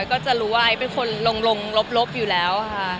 ก็จะรู้ว่าไอซ์เป็นคนลงลบอยู่แล้วค่ะ